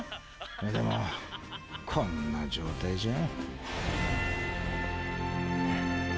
でもこんな状態じゃあ。